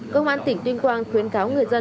cơ quan tỉnh tuyên quang khuyên cáo người dân